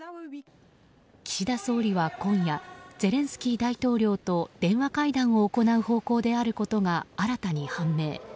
岸田総理は今夜ゼレンスキー大統領と電話会談を行う方向であることが新たに判明。